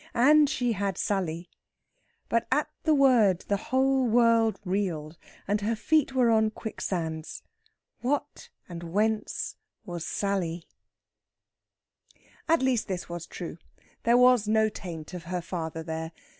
And she had Sally. But at the word the whole world reeled and her feet were on quicksands. What and whence was Sally? At least this was true there was no taint of her father there!